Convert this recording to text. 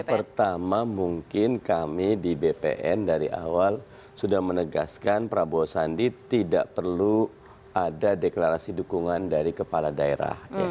pertama mungkin kami di bpn dari awal sudah menegaskan prabowo sandi tidak perlu ada deklarasi dukungan dari kepala daerah